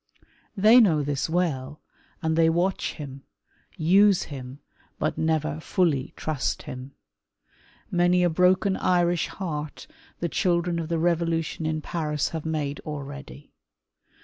They know this well, and they watch him, use him, but never fully trust him. Many a broken Irish' heart the children of the Revolution in Paris have made already.